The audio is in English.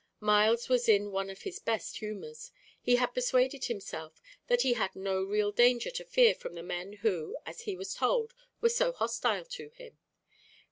Myles was in one of his best humours; he had persuaded himself that he had no real danger to fear from the men who, as he was told, were so hostile to him.